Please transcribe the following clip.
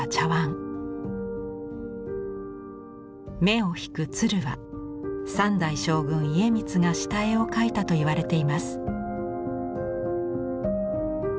目を引く鶴は３代将軍家光が下絵を描いたといわれています。